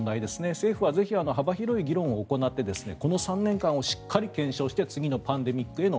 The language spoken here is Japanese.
政府はぜひ幅広い議論を行ってこの３年間をしっかり検証して次のパンデミックの